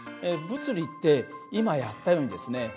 物理って今やったようにですね